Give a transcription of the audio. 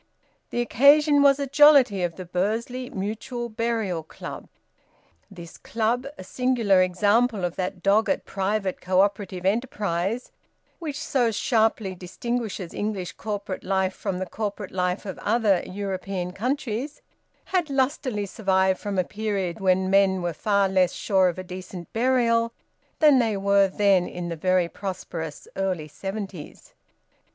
The occasion was a jollity of the Bursley Mutual Burial Club. This Club, a singular example of that dogged private co operative enterprise which so sharply distinguishes English corporate life from the corporate life of other European countries, had lustily survived from a period when men were far less sure of a decent burial than they were then, in the very prosperous early seventies.